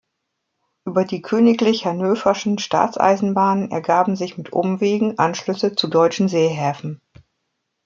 Über die Königlich Hannöverschen Staatseisenbahnen ergaben sich mit Umwegen Anschlüsse zu deutschen Seehäfen.